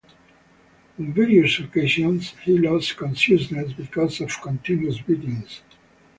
On various occasions he lost consciousness because of continuous beatings.